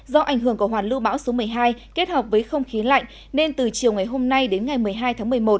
do ảnh hưởng của hoàn lưu bão số một mươi hai kết hợp với không khí lạnh nên từ chiều ngày hôm nay đến ngày một mươi hai tháng một mươi một